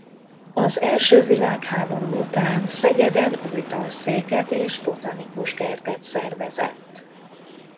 Az első világháború után Szegeden új tanszéket és botanikus kertet szervezett.